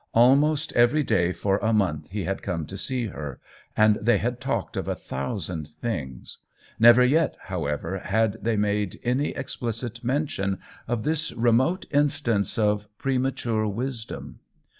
Almost every day for a month he had come to see her, and they had talked of a thousand things ; never yet, however, had they made any ex plicit mention of this remote instance of premature wisdom.